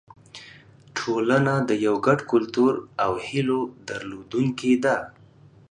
ټولنه د یو ګډ کلتور او هیلو درلودونکې ده.